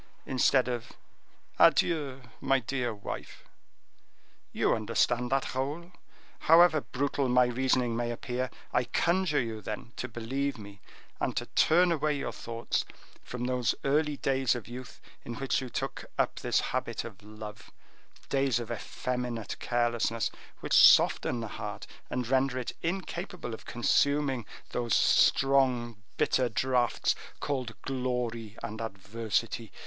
instead of 'Adieu, my dear wife.' You understand that, Raoul. However brutal my reasoning may appear, I conjure you, then, to believe me, and to turn away your thoughts from those early days of youth in which you took up this habit of love—days of effeminate carelessness, which soften the heart and render it incapable of consuming those strong bitter draughts called glory and adversity.